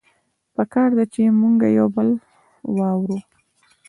پکار ده چې مونږه يو بل واورو